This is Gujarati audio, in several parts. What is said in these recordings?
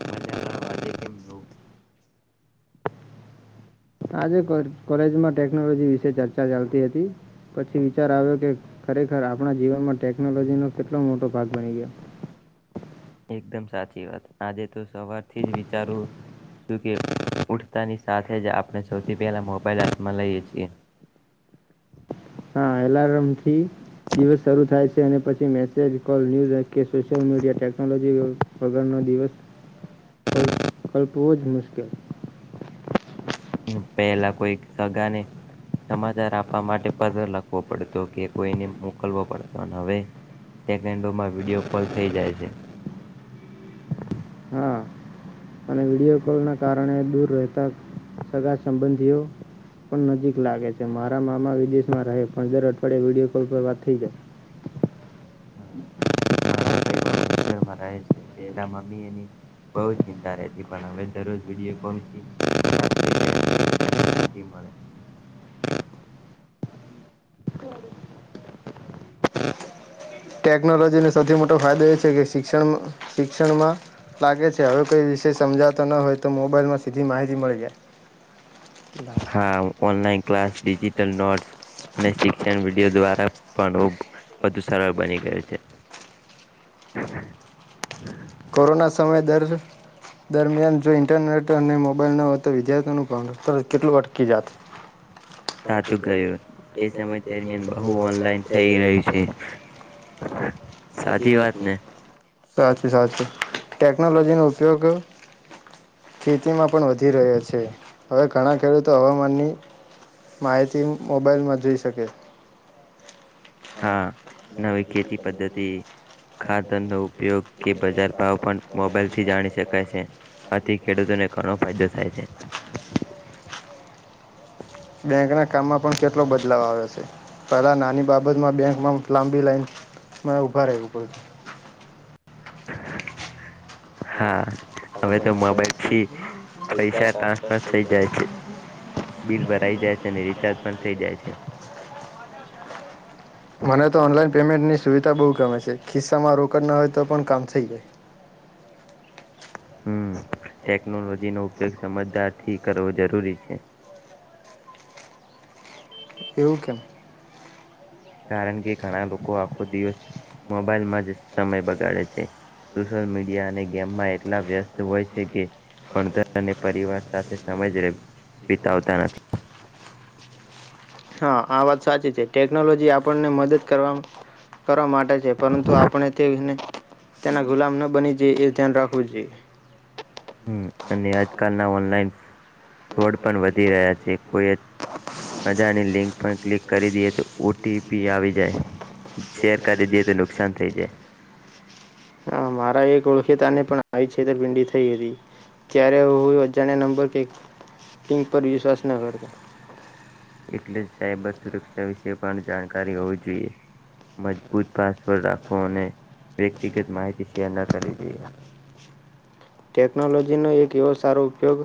મજામાં આજે કેમ છો? આજે કોલેજમાં ટેકનોલોજી વિશે ચર્ચા ચાલતી હતી પછી વિચાર આવ્યો કે ખરેખર આપણા જીવનમાં ટેકનોલોજીનો કેટલો મોટો ભાગ બની ગયો. એકદમ સાચી વાત આજે તો સવારથી જ વિચારું જોકે ઉઠતાની સાથે જ આપણે સૌથી પહેલા મોબાઈલ આપમાં લઈએ છીએ હા એલારમથી દિવસ શરૂુ થાય છે અને પછી મેસેજ કોલ ન્યૂઝ કે સોશિયલ મીડિયા ટેકનોલોજી વગરનો દિવસ કલ્પ કલ્પવોઝ મુશ્કેલ પહેલા કોઈ સગાને સમાચાર આપવા માટે પત્ર લખવો પડતો કે કોઈને મોકલવો પડતો અને હવે સેકન્ડોમાં વિડીયો કોલ થઈ જાય છે હા અને વિડીિયો કોલના કારણે દૂર રહેતા સગા સંબંધીઓ પણ નજીક લાગે છે મારા મામા વિદેશમાં રહે પણણ દર અઠવાડિયે વિડીિયો કોલ પર વાત થઈ જાય [inaudible] છે પેલા મમ્મી એની બહ ચિંતા રહેતી પણ હવે દરરોજ વિડીયો કોલથી મળે [inaudible] ટેકનોલોજીને સૌથી મોટો ફાયદો એ છે કે શિક્ષણ શિક્ષણમાં લાગે છે હવે કોઈ વિષય સમજાતો ન હોય તો મોબાઈલમાં સીધી માહિતી મળી જાય [inaudible] હા ઓનલાઈન ક્લાસ ડિટલ નોટસ અને શિક્ષણ વિડીયો દ્વારા પણ વધુ સરળ બની ગયો છે કોરોના સમય દર દરમિયાન જો ઈન્ટરનેટ અને મોબાઈલ ન હોય તો વિદ્યાર્થીઓનુંર કેટલું અટકી જત સાચું ગયું એ સમય દરમિયાન બહુ ઓનલાઈન થઈ રહ્યું છે સાચી વાત ને સાચી સાચી ટેકનોલોજીનો ઉપયોગ ખેતીમાં પણ વધી રહ્યો છે હવે ઘણા ખેડૂતો હવામાનની માહિતી મોબાઈલમાં જોઈ શકે હા નવી ખેતી પદ્ધતિ ખાતડુક ઉપયોગ કે બજાર ભાવ પણ મોબાઈલથી જાણી શકાય છે આથી ખેડૂતોને ઘણો ફાયદો થાય છે બેંકના કામમાં પણ કેટલો બદલાવ આવે છે કલા નાની બાબતમાં બેંકમાં લાંબી લાઈનમાં ઉભા રહેું પડ હા હવે તો મોબાઈલથી પૈસા ટ્રાન્સફર થઈ જાય છે બિલ ભરાઈ જાય છે અને રિચાર્જ પણ થઈ જાય છે બહ ગમે છે ખિસ્સામાં રોકડ ના હોય તો પણ કામ થઈ જાય હમ ટેકનોલોજીનોો ઉપયોગ સમજદાર થી કરવો જરૂરી છે વું કેમ કારણ કે ઘણા લોકો આખો દિવસ મોબાઈલમાં જ સમય બગાડે છે સોશિયલ મીડિયા અને ગેમમાં એટલા વ્યસ્ત હોય છે કે ભત અને પરિવાર સાથે સમય જ વિતાવતા નથી હા આ વાત સાચી છે ટેકનોલોજી આપણને મદદ કરવાવામાં કરવા માટે છે પરંતુ આપણે તેને તેના ગુલામ ન બની જાય એ ધ્યાન રાખવું જોઈએ હમ અને આજકાલ ના ઓનલાઈન ફોડ પણ વધી રહ્યા છે કોઈ રજાની લિંક પણ ક્લિક કરી દઈએ તો ઓટીપી આવી જાય શેર કરી દઈએ તો નુકસાન થઈ જાય હ મારા એક ઓળખેતાને પણ આવી છેતરપિંડી થઈ હતી ત્યારે હું અજાને નંબર કેિંગ પર વિશ્વાસ ન કરતો એટલે જ સાયબર સુરક્ષા વિશે તે પણ જાણકારી હોવી જોઈએ મજબૂત પાસવર્ડ રાખો અને વ્યક્તિગત માહિતી છેના કરીરી જઈએ ટેકનોલોજીનો એક એવો સારો ઉપયોગ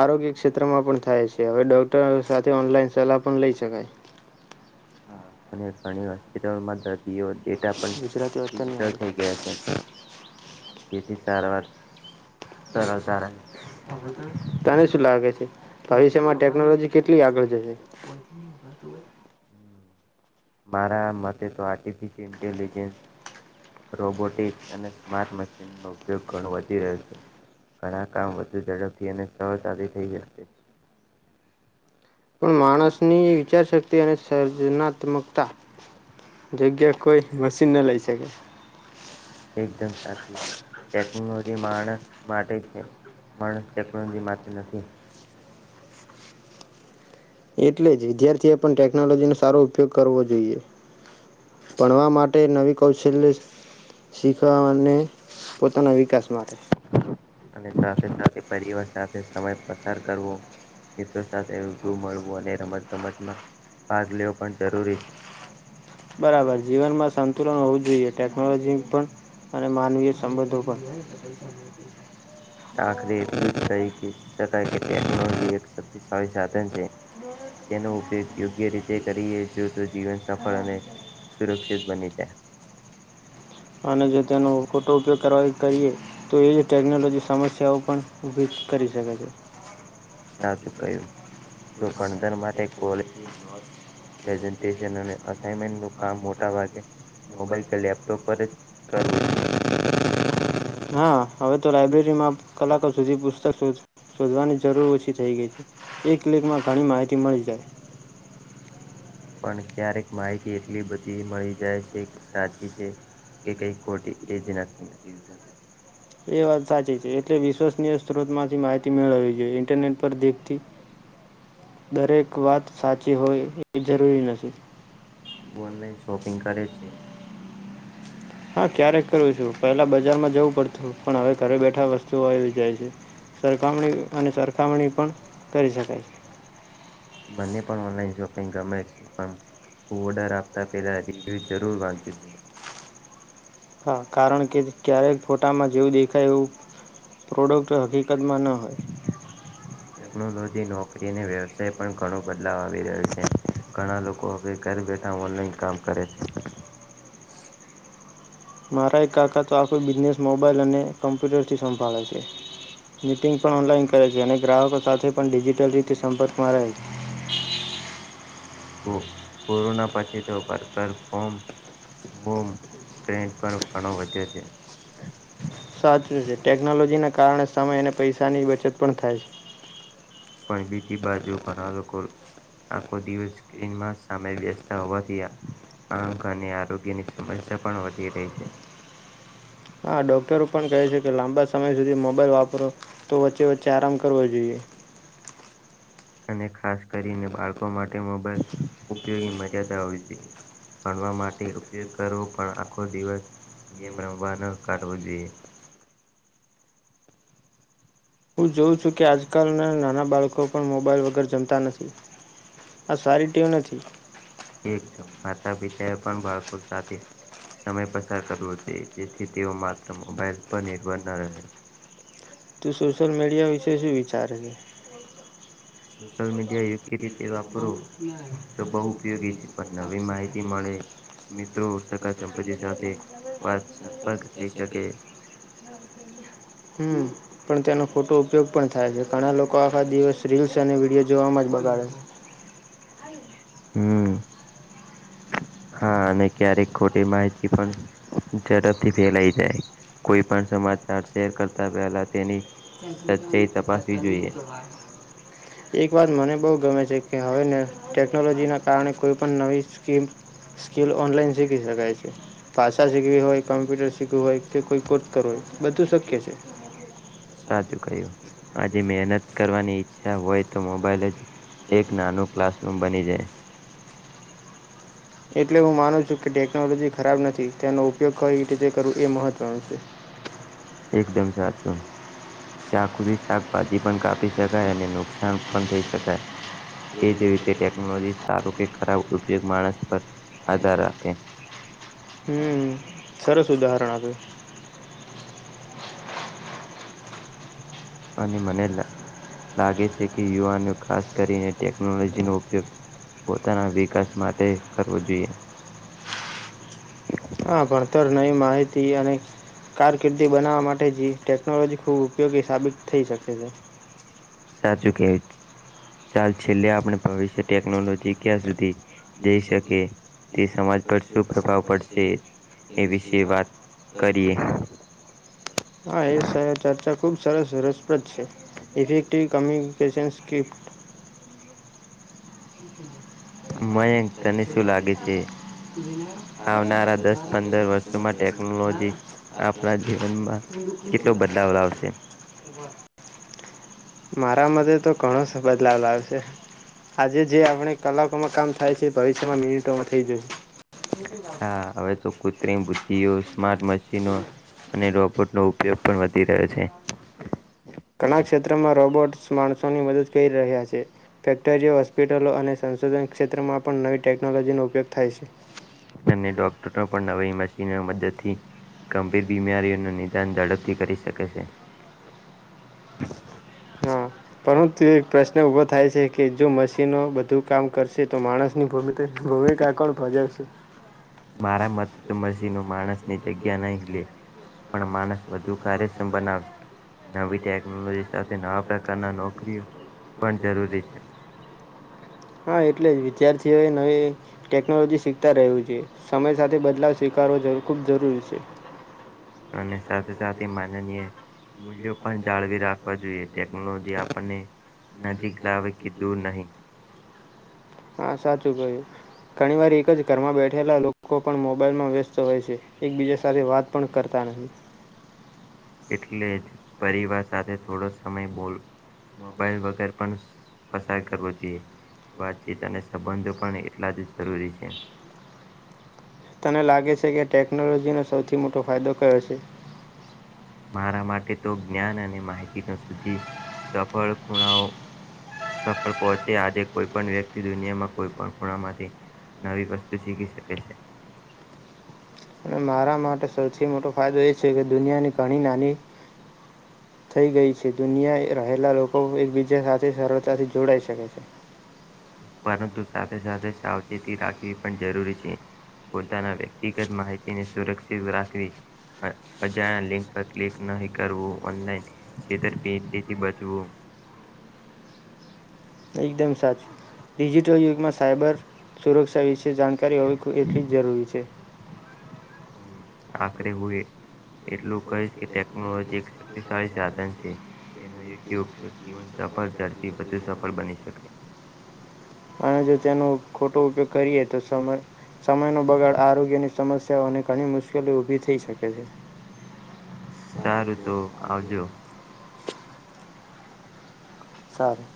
આરોગ્ય ક્ષેત્રમાં પણ થાય છે હવે ડોક્ટરો સાથે ઓનલાઈન સલાહ પણ લઈ શકાય હા અનેણી હસ્પિટલમાં ડેટા પણ ગુજરાતી ડિજિટલ વાર્તાની થઈ ગયા છે જેથી સારવાર સરળતા રહે તને શું લાગે છે ભવિષ્યમાં ટેકનોલોજી કેટલી આગળ જશે મારા મતે તો આ આર્ટિફિલ ઇન્ટેલિજેન્સ રોબોટિક્સ અને સ્માર્ટ મશીનનો ઉપયોગ ઘણો વધી રહ્યો છે ઘણા કામ વધુ ઝડપથી અને સરળતાથી થઈ જશે પણ માણસની વિચારશક્તિ અને સર્જનાત્મકતા જગ્યા કોઈ મશીન ન લઈ શકે એ બ એકદમ સાચું ટેકનોલોજી માણસ માટે છે માણસ ટેકનોલોજી માટે નથી એટલે જ વિદ્યાર્થી એ પણ ટેકનોલોજીનો સારો ઉપયોગ કરવો જોઈએ ભણવા માટે નવી કૌશલ્ય શીખવા અને પોતાના વિકાસ માટે અને સાથે સાથે પરિવાર સાથે સમય પસાર કરવો મિત્રો સાથે ર મળવો અને રમત ગમતમાં ભાગ લેવો પણ જરૂરી બરાબર જીવનમાં સંતુલન હોવું જોઈએ ટેકનોલોજી પણ અને માનવીય સંબંધો પણ આખરે એટલુંકાય કે ટેનોલોજી એકક્ાળી સાધન છે તેનો ઉપયોગ યોગ્ય રીતે કરીએ જો તો જીવન સફળ અને સુરક્ષિત બની જાય ફોટો ઉપયોગ કરવા કરીએ તો એ જ ટેકનોલોજી સમસ્યાઓ પણ ઊભી કરી શકે છે સા ચુકાયું તો ભણતર માટે કોલે પ્રેઝન્ટેશન અને કામ મોટા ભાગે મોબાઈલ કે લેપટોપ પર જ હા, હવે તો લાાયબ્રેરીમાં કલાકો સુધી પુસ્તક શોધવાની જરૂર ઓછી થઈ ગઈ છે એ ક્લિકમાં ઘણી માહિતી મળી જાય પણ ક્યારેક માહિતી એટલી બધી મળી જાય છે કે સાચી છે કે કઈ ખોટી એ જ નક્કી નથી થતું એ વાત સાચી છે એટલે વિશ્વસનીય સ્ત્રોતમાંથી માહિતી મેળવવી જોઈએ ઇન્ટરનેટ પર દેખતી દરેક વાત સાચી હોય એ જરૂરી નથી બ તું ઓનલાઈન શોપિંગ શચન કર કરે છે હા ક્યારેક કરું છું પહેલાં બજારમાં જવું પડતું પણ હવે ઘરે બેઠા વસ્તુઓ આવી જાય છે સરખામણી અને સરખામણી પણ કરી શકાય છે બંને પણ ઓનલાઈન જો ગમે છે પણ ઓર્ડર આપતા પેલા તેવી જરૂર વાંચી છો હા કારણ કે ક્યારેક ફોટામાં જેવું દેખાય એવું પ્રોડક્ટ હકીકતમાં ન હોય ટેકનોલોજી નોકરી અને વ્યવસાય પણ ઘણું બદલાવ આવી રહ્યો છે. ઘણા લોકો હવે ઘર બેઠા ઓનલાઈન કામ કરે છે. મારા એક કાકા તો આખું બિઝનેસ [unintelligible] અને કમ્પ્યુટરથી સંભાળે છે, મિટિંગ પણ ઓનલાઈન કરે છે, અને ગ્રાહકો સાથે પણ ડિજિટલ રીતે સંપર્કમાં રહે. [inaudible] કો કોરોના પછી તો વર્કર ફ્રોમ [unintelligible] [unintelligible] પણ ઘણો વધ્યો છે. સાચું છે, ટેકનોલોજીના કારણે સમય અને પૈસાની બચત પણ થાય છે. પણ બીજી બાજુ ઘણા લોકો [inaudible] આખો દિવ સ્ક્રીનમાં સામે [unintelligible] [unintelligible] અને આરોગ્યની સમસ્યા પણ વધી રહી છે. હા ડોક્ટરો પણ કહે છે કે લાંબા સમય સુધી મોબાઈલ વાપરો તો વચ્ચે વચ્ચે આરામ કરવો જોઈએ. અને ખાસ કરીને બાળકો માટે મોબાઈલ ઉપયોગી મર્યાદા હોવી જોઈએ, ભણવા માટે ઉપયોગ કરવો પણ આખો દિવસ, ગેમ રમવા ન કાઢવો જોઈએ. હું જોઉં છું કે આજકાલના નાના બાળકો પણ મોબાઈલ વગર જમતા નથી, આ સારી ટેવ નથી. એકમ માતા પિતાએ પણ બાળકો સાથે, સમય પસાર કરવો જોઈ જેથી તેઓ માત્ર મોબાઈલ પર નિર્ભર ન રહે. [unintelligible] સોશિયલ મીડિયા વિશે શું વિચારે છે. સોશિયલ મીડિયા યોગ્ય રીતે વાપરો તો બહુ ઉપયોગી છે પણ નવી માહિતી મળે મિત્રો સગા સંપત્તિ સાથે વાત સંપર્ક થઈ શકે [unintelligible] પણ તેનો ફોટો ઉપયોગ પણ થાય છે, ઘણા લોકો આખા દિવસ રીલ્સ અને વિડીયો જોવામાં જ બગાડે છે. હમ, હા અને ક્યારેક ખોટી માહિતી પણ ઝડપથી ફેલાઈ જાય કોઈ પણ સમાજ સચ્ચાઈ તપાસવી જોઈએ એક વાત મને બહુ ગમે છે હવેને ટેકનોલોજીના કારણે કોઈપણ નવી સ્કીમ, સ્કીિલ ઓનલાઈન શીખી શકાય છે, ભાષા શીખવી હોય કમ્પ્યુટર શીખવું હોય કે કોઈ કોર્સ કરવું હોય. બધું શક્ય છે. સાચું કહ્યું, આજે મહેનત કરવાની ઈચ્છા હોય તો મોબાઈલ જ એક નાનું ક્લાસરૂમ બની જાય. એટલે હું માનું છું કે ટેકનોલોજી ખરાબ નથી તેનો ઉપયોગ કઈ રીતે કરવું એ મહત્ત્વનું છે. એકદમ સાચું. ચાકુથી શાકભાજી પણ કાપી શકાય અને નુકસાન પણ થઈ શકાય. એ જ રીતે ટેકનોલોજી સારો કે ખરાબ ઉપયોગ માણસ પર આધાર રાખે. હમ સરસ ઉદાહરણ આપ્યું. અને મને લાગે લાગે છે કે યુવાનો ખાસ કરીને ટેકનોલોજીનો ઉપયોગ પોતાના વિકાસ માટે કરવો જોઈએ. હા ભણતર નવી માહિતી અને, કારકિર્દી બનાવવા માટે જ ટેકનોલોજી ખૂબ ઉપયોગી સાબિત થઈ શકે છે. સાચું કે [unintelligible] ચાલ છેલ્લે આપણે ભવિષ્ય ટેકનોલોજી ક્યાં સુધી જઈ શકે તે સમાજ પર શું પ્રભાવ પડશે એ વિશે વાત કરીએ હા એ શાય ચર્ચા કુ સરસ રસપ્રદ છે, ઇફેક્ટિવ કમ્યુનિકેશન સ્કીલ હ [inaudible] મય [inaudible] આવનારા દસ પંદર વર્ષોમાં ટેકનોલોજી આપણા જીવનમાં કેટલો બદલાવ લાવશે મારા મતે તો ઘણો બદલાવ આવશે આજે જે આપણે કલાકોમાં કામ થાય છે ભવીષ માં મિનિટોમાં થઇ જું. [inaudible] હા હવે તો કૃત્રિમ બુદ્ધિઓ સ્માર્ટ મશીનો અને રોબોટનો ઉપયોગ પણ વધી રહ્યો છે કણા ક્ષેત્રમાં રોબોટ માણસોની મદદ કરી રહ્યા છે ફેક્ટ જે હોસ્પિટલો અને સંશોધન છેતરે પણ નવી ટેકનોલોજીનો ઉપયોગ થાય છે. અને ડોક્ટર પણ નવી મશીન મદદથી ગંભીર બીમારીઓનું નિદાન ઝડપથી કરી શકે છે. હા પણ- તો એક પ્રશ્ન ઊભો થાય છે કે જો મશીનો બધું કામ કરશે તો માણસની ભૂમિકા કોણ ભજવશે મારા મતે તો મસી નો માણસ ની જગ્યા નહી લે પણ માણસ વધુ કાર્યક્ષમ બનાવશે નવી ટેકનોલોજી સાથે નવા પ્રકારના નોકરીઓ પણ જરૂરી છે. હા એટલે વિદ્યાર્થીઓએ નવી ટેકનોલોજી શીખતા રહ્યું છે સમય સાથે બદલાવ સ્વીકારવો ખૂબ જરૂરી છે. અને સાથે સાથે માનનીય મૂલ્યો પણ જાળવી રાખવા જોઈએ ટેકનોલોજી આપણને નજીક લાવે કે દૂર નહીિ હા સાચું કહ્યું ઘણીવાર એક જ ઘરમાં બેઠેલા લોકો પણ મોબાઈલમાં વ્યસ્તો હોય છે એકબીજા સાથે વાત પણ કરતા નહી. એટલે જ પરિવાર સાથે થોડો સમય બોલ મોબાઈલ વગર પણ પસાર કરવો જોઈએ. વાતચીત અને સંબંધો પણ એટલા જ જરૂરી છે. તને લાગે છે કે ટેકનોલોજીનો સૌથી મોટો ફાયદો કયો છે? મારા માટે તો જ્ઞાન અને માહિતી પસેથી સફળ ખૂણાઓ સફળ પહોંચે આજે કોઈ પણ વ્યક્તિ દુનિયામાં કોઈ પણ ખૂણામાંથી નવી વસ્તુ શીખી શકે છે. અને મારા માટે સૌથી મોટો ફાયદો એ છે કે દુનિયાની ઘણી નાની થઈ ગઈ છે દુનિયા રહેલા લોકો એકબીજા સાથે સરળતાથી જોડાઈ શકે છે. પરંતુ સાથે સાથે સાવચેતી રાખી એ પણ જરૂરી છે. પોતાના વ્યક્તિગત માહિતીની સુરક્ષા રાખવી અ અજા લિંક પર ક્લિક નહી કરવું ઓનલાઈન છેતરપિંડી થી બચવું એકદમ સાચું ડિજિટલ યુગમાં સાયબર સુરક્ષા વિશે જાણકારી હોવી એટલી જ જરૂરી છે. આખરે હું એટલું કહીશ કે ટેકનોલોજી એક શક્તિશાળી સાધન છે તેનો યોગ્ય ઉપયોગ જીવન સફળ ઝડપથી વધુ સફળ બની શકે. અને જો તેનું ખોટ તો ઉપયોગ કરીએ તો સમય સમયનો બગાડ આરોગ્યની સમસ્યાઓ અને ઘણી મુશ્કેલી ઉભી થઈ શકે છે. સારું તો આવજો. સારું.